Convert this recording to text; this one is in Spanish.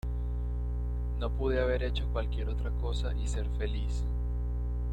No pude haber hecho cualquier otra cosa y ser feliz".